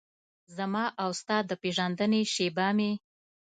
زما او ستا د پیژندنې شیبه مې